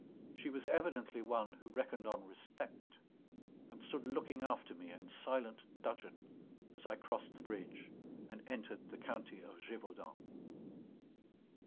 She was evidently one who reckoned on respect, and stood looking after me in silent dudgeon, as I crossed the bridge and entered the county of Gévaudan.